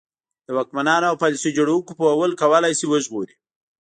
د واکمنانو او پالیسي جوړوونکو پوهول کولای شي وژغوري.